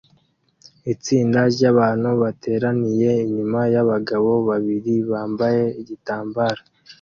Itsinda ryabantu bateraniye inyuma yabagabo babiri bambaye igitambaro